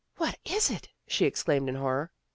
" What is it? " she exclaimed in horror.